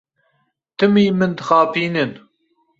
Timî min dixapînin.